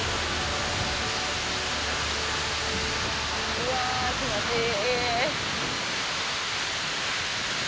うわあ、気持ちいい。